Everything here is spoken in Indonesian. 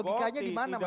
logikanya dimana mas arief